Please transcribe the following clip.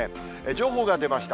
情報が出ました。